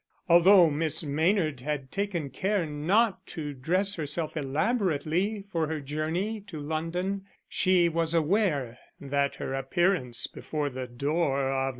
Although Miss Maynard had taken care not to dress herself elaborately for her journey to London, she was aware that her appearance before the door of No.